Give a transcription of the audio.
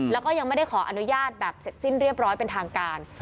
แล้วก็ยังไม่ได้ขออนุญาตแบบเสร็จสิ้นเรียบร้อยเป็นทางการ